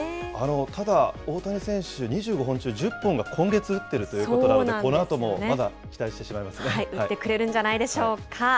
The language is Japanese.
ただ、大谷選手、２５本中１０本が今月打ってるということなので、このあともまだ打ってくれるんじゃないでしょうか。